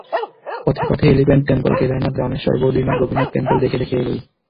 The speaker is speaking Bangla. পথে পথে elephant temple, Kedarnath, Rameshwar, Badrinath, Gopinath temple দেখে দেখে এগোই।